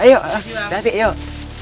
ayo dateng yuk